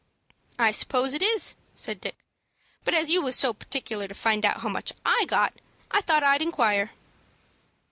"I suppose it is," said Dick; "but as you was so partic'lar to find out how much I got, I thought I'd inquire."